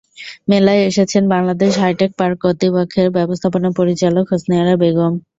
মেলায় এসেছেন Bangladesh hi tech park কর্তৃপক্ষের ব্যবস্থাপনা পরিচালক হোসনে আরা বেগম।